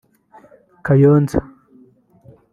Kayonza